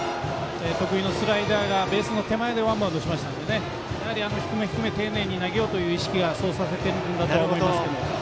得意のスライダーがベースの手前でワンバウンドしたので丁寧に投げようという意識がそうさせているんだと思います。